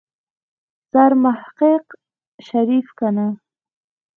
سرمحقق شريف کنه.